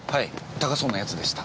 高そうなやつでした。